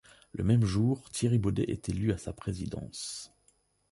Le même jour, Thierry Beaudet est élu à sa présidence.